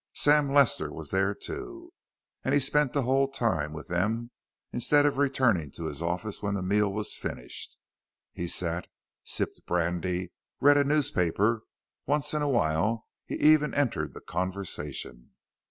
Sam Lester was there, too, and he spent the whole time with them instead of returning to his office when the meal was finished. He sat, sipped brandy, read a newspaper; once in a while he even entered the conversation.